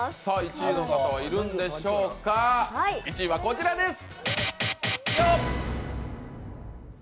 １位の方はいるんでしょうか１位はこちらです。